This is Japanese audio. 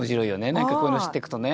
何かこういうの知っていくとね。